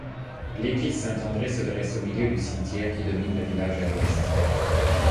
L'église Saint-André se dresse au milieu du cimetière qui domine le village à l'ouest.